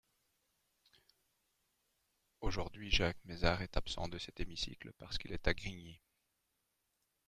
Aujourd’hui, Jacques Mézard est absent de cet hémicycle parce qu’il est à Grigny.